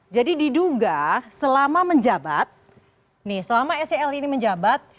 jadi diduga selama menjabat nih selama scl ini menjabat